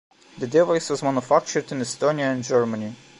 The device was manufactured in Estonia and Germany.